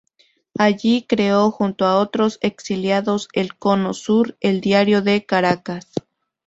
Allí creó, junto a otros exiliados, del Cono Sur, el Diario de Caracas.